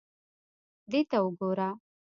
دې ته وګوره.